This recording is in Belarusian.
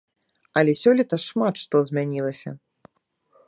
Але сёлета шмат што змянілася.